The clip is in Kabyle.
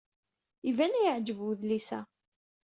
Iban ad iyi-yeɛjeb wedlis-a.